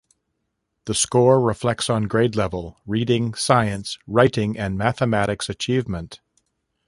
The score reflects on grade level: reading, science, writing and mathematics achievement.